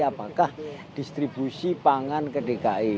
apakah distribusi pangan ke dki